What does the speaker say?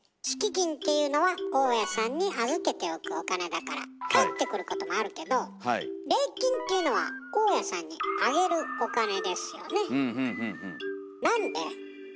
「敷金」っていうのは大家さんに預けておくお金だから返ってくることもあるけど「礼金」っていうのは大家さんにあげるお金ですよね。